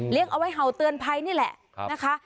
เอาไว้เห่าเตือนภัยนี่แหละนะคะ